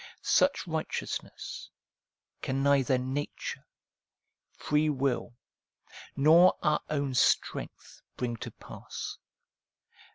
Such righteousness can neither nature, free will, nor our own strength bring to pass.